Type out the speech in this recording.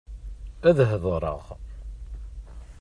Ad hedṛeɣ.